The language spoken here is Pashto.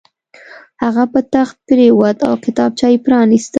هغه په تخت پرېوت او کتابچه یې پرانیسته